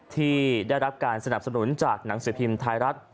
ที่ได้รับการสนับสนุนจากหนังสือพิมพ์ไทยรัฐ